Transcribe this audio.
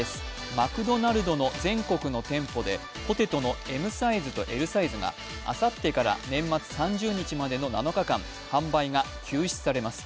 マクドナルドの全国の店舗でポテトのＭサイズとＬサイズがあさってから年末３０日までの７日間、販売が休止されます。